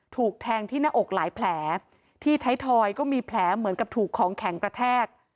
ถูกแทงที่หน้าอกหลายแผลที่ไทยทอยก็มีแผลเหมือนกับถูกของแข็งกระแทก